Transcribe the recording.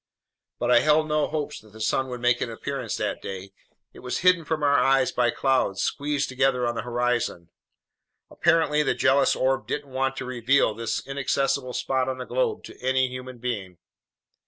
But I held no hopes that the sun would make an appearance that day. It was hidden from our eyes by clouds squeezed together on the horizon. Apparently the jealous orb didn't want to reveal this inaccessible spot on the globe to any human being.